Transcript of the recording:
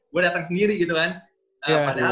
gue datang sendiri gitu kan padahal